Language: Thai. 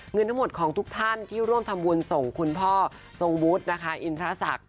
เงินทั้งหมดของทุกท่านที่ร่วมทำบุญส่งคุณพ่อทรงวุฒินะคะอินพระศักดิ